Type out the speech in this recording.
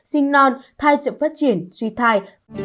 sinh non thai trưởng phát triển suy thai